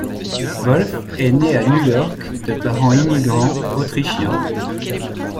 Wolf est né à New York de parents immigrants autrichiens.